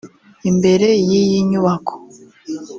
Imbere y’iyi nyubako